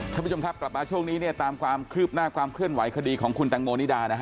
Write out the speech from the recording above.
ท่านผู้ชมครับกลับมาช่วงนี้เนี่ยตามความคืบหน้าความเคลื่อนไหวคดีของคุณตังโมนิดานะฮะ